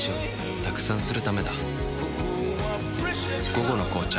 「午後の紅茶」